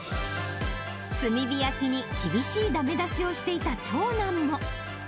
炭火焼きに厳しいだめ出しをしていた長男も。